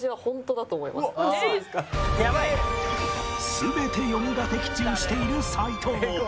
全て読みが的中している齊藤